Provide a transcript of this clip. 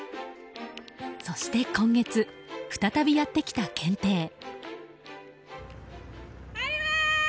そして今月、再びやってきた検定。